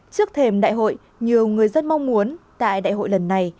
trước thềm đại hội nhiều người dân mong muốn tại đại hội lần này